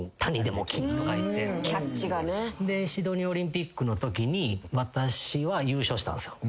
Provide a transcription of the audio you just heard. シドニーオリンピックのときに私は優勝したんすよ。